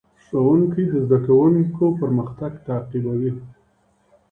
ښوونکی د زدهکوونکو پرمختګ تعقیبوي.